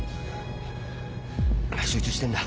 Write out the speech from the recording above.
集中してんだ。